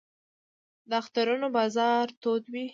د اخترونو بازار تود وي